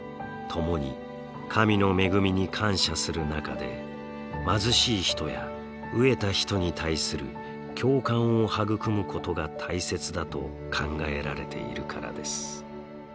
共に神の恵みに感謝する中で貧しい人や飢えた人に対する共感を育むことが大切だと考えられているからです。